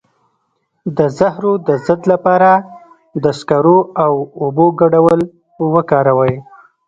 د زهرو د ضد لپاره د سکرو او اوبو ګډول وکاروئ